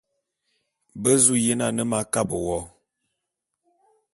Be zu yen ane m'akabe wo.